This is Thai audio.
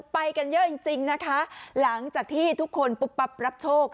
ไปกันเยอะจริงนะคะหลังจากที่ทุกคนปุ๊บปั๊บรับโชค